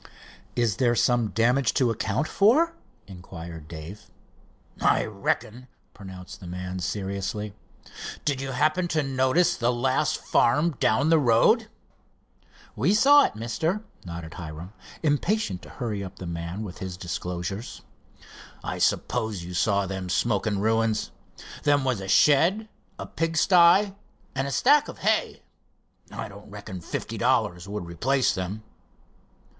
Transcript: "Is there some damage to account for?" inquired Dave. "I reckon," pronounced the man seriously. "Did you happen to notice the last farm down the road?" "We saw it, mister," nodded Hiram, impatient to hurry up the man with his disclosures. "I suppose you saw them smoking ruins. Them was a shed, a pigsty and a stack of hay. I don't reckon fifty dollars would replace them."